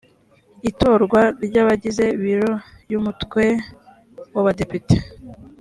itorwa ry abagize biro y umutwe w abadepite